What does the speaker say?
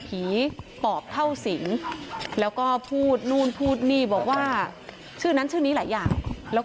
ผีปอบเข้าสิงแล้วก็พูดนู่นพูดนี่บอกว่าชื่อนั้นชื่อนี้หลายอย่างแล้ว